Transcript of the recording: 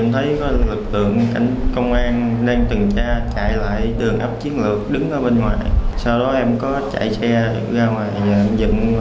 trong lúc em đang cảnh giới bên ngoài em thấy có lực tượng công an đang trừng tra chạy lại đường ấp chiến lược đứng ở bên ngoài